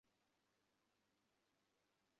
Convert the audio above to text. তাকে একদম অভিযুক্ত করবে না!